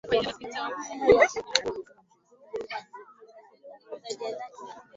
jamhuri ya kidemokrasia ya Kongo kuongoza mashambulizi